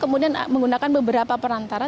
kemudian menggunakan beberapa perantara